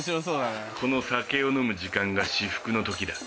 この酒を飲む時間が至福の時だ。